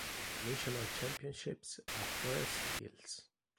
National Championships a Forest Hills.